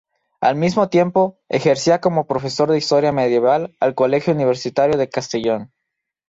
Al mismo tiempo, ejercía como profesor de Historia Medieval al Colegio Universitario de Castellón.